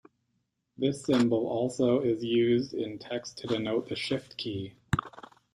This symbol also is used in texts to denote the shift key.